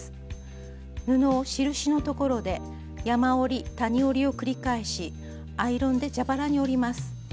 布を印のところで山折り谷折りを繰り返しアイロンで蛇腹に折ります。